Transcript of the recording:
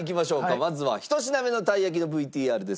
まずは１品目のたい焼きのＶＴＲです。